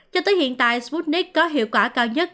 cho tới hiện tại sputnik có hiệu quả cao nhất